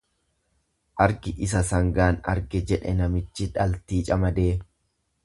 Argi isa sangaan arge jedhe namichi dhaltii camadee.